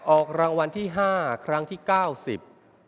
ออกรางวัลที่ห้าครั้งที่เก้าสิบ